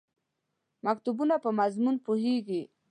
مکتوبونو په مضمون پوهېږم.